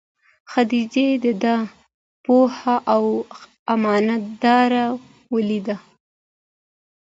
خدیجې دده پوهه او امانت داري ولیده.